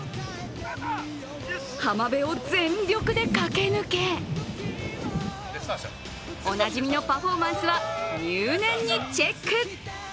浜辺を全力で駆け抜けおなじみのパフォーマンスは入念にチェック。